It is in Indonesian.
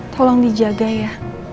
tolong dijaga ya